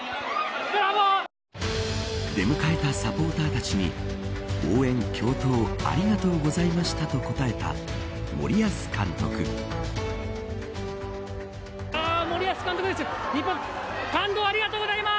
出迎えたサポーターたちに応援、共闘ありがとうございましたと答えた森保監督です。